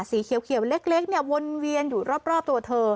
สีเขียวเล็กเนี่ยวนเวียนอยู่รอบตัวเธอ